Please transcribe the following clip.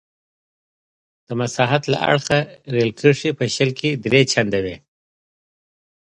د مساحت له اړخه رېل کرښې په شل کې درې چنده وې.